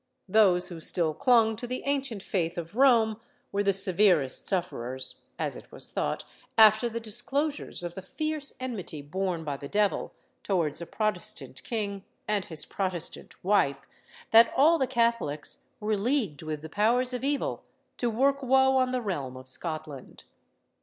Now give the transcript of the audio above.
Those who still clung to the ancient faith of Rome were the severest sufferers, as it was thought, after the disclosures of the fierce enmity borne by the devil towards a Protestant king and his Protestant wife, that all the Catholics were leagued with the powers of evil to work woe on the realm of Scotland.